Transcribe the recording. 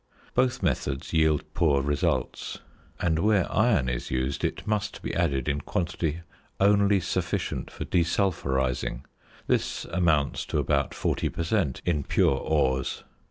Both methods yield poor results; and, where iron is used, it must be added in quantity only sufficient for desulphurising; this amounts to about 40 per cent. in pure ores.